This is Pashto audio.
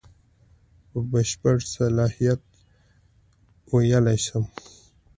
په بشپړ صلاحیت ویلای شم.